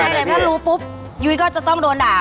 ใช่เลยถ้ารู้ปุ๊บยุ้ยก็จะต้องโดนด่า